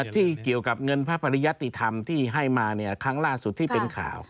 ที่เกี่ยวกับเงินพระปริยติธรรมที่ให้มาครั้งล่าสุดที่เป็นข่าว